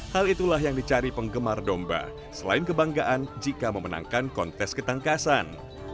hal itulah yang dicari penggemar domba selain kebanggaan jika memenangkan kontes ketangkasan